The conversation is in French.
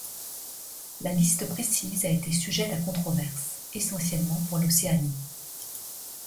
La liste précise a été sujette à controverse, essentiellement pour l'Océanie.